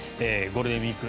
ゴールデンウィーク